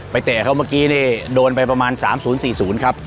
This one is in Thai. เตะเขาเมื่อกี้นี่โดนไปประมาณ๓๐๔๐ครับ